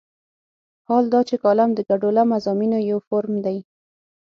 حال دا چې کالم د ګډوله مضامینو یو فورم دی.